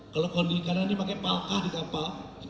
kalau kondikannya ini pakai palkah di kapal